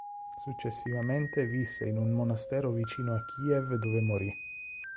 Successivamente visse in un monastero vicino a Kiev dove morì.